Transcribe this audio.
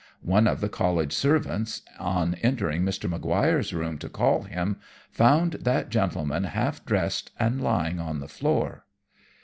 One of the College servants, on entering Mr. Maguire's rooms to call him, found that gentleman half dressed and lying on the floor.